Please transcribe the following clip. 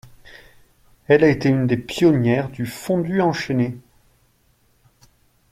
Elle a été une des pionnières du fondu enchaîné.